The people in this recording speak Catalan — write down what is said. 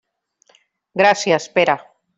Gràcies, Pere.